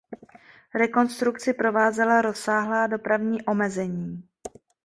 Rekonstrukci provázela rozsáhlá dopravní omezení.